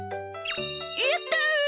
やった！